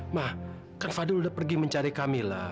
ma kan fadil udah pergi mencari kamila